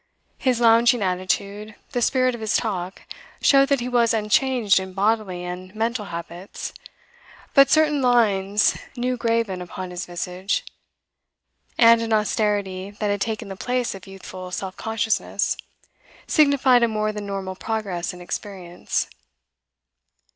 His lounging attitude, the spirit of his talk, showed that he was unchanged in bodily and mental habits; but certain lines new graven upon his visage, and an austerity that had taken the place of youthful self consciousness, signified a more than normal progress in experience.